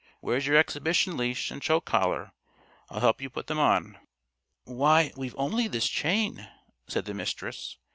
"Where's your exhibition leash and choke collar? I'll help you put them on." "Why, we've only this chain," said the Mistress.